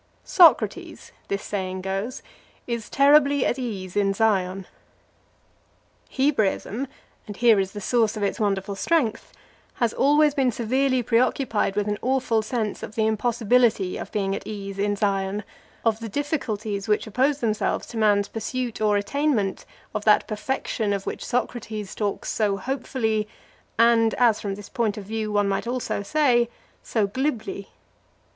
"Socrates," this saying goes, "is terribly at ease in Zion" Hebraism, and here is the source of its wonderful strength, has always been severely preoccupied with an awful sense of the impossibility of being at ease in Zion; of the difficulties which oppose themselves to man's pursuit or attainment of that perfection of which Socrates talks so hopefully, and, as from this point of view one might almost say, so glibly.